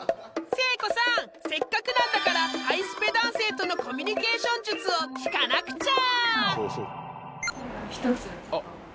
せっかくなんだからハイスペ男性とのコミュニケーション術を聞かなくちゃ！］